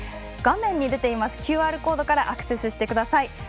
画面に出ているＱＲコードからアクセスしてください。